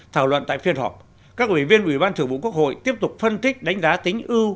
thảo luận tại phiên họp các ủy viên ủy ban thường vụ quốc hội tiếp tục phân tích đánh giá tính ưu